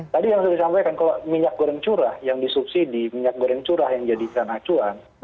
tadi yang sudah disampaikan kalau minyak goreng curah yang disubsidi minyak goreng curah yang jadikan acuan